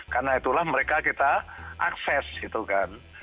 karena itulah mereka kita akses gitu kan